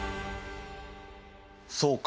そうか。